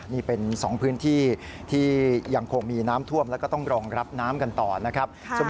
นี่เป็น๒พื้นที่ที่ยังคงมีน้ำท่วมแล้วก็ต้องรองรับน้ำกันต่อนะครับ